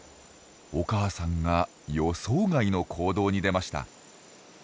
お母さんが予想外の行動に出ました。